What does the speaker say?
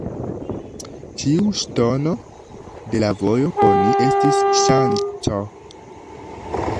Ĉiu ŝtono de la vojo por ni estis ŝanco.